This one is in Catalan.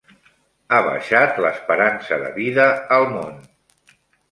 Ha baixat l'esperança de vida al món